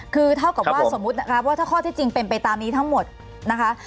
คือเท่ากับว่าสมมุตินะคะว่าถ้าข้อที่จริงเป็นไปตามนี้ทั้งหมดนะคะ